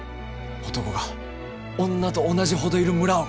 男が女と同じほどいる村を！